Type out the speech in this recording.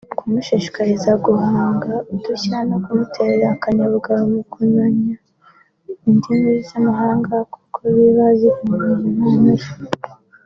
kumushishikariza guhanga udushya no kumutera akanyabugabo mu kumunya indimi z’amahanga kuko biba biri mu mpano ye